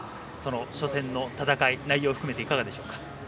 初戦の戦い、内容を含めていかがでした？